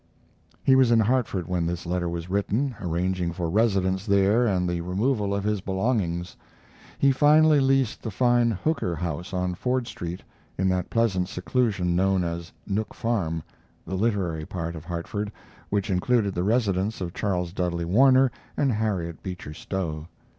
He was in Hartford when this letter was written, arranging for residence there and the removal of his belongings. He finally leased the fine Hooker house on Ford Street, in that pleasant seclusion known as Nook Farm the literary part of Hartford, which included the residence of Charles Dudley Warner and Harriet Beecher Stowe.